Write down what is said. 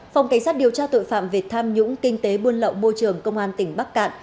phòng cảnh sát điều tra tội phạm về tham nhũng kinh tế buôn lậu môi trường công an tỉnh bắc cạn